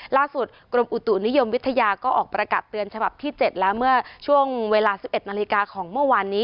กรมอุตุนิยมวิทยาก็ออกประกาศเตือนฉบับที่๗แล้วเมื่อช่วงเวลา๑๑นาฬิกาของเมื่อวานนี้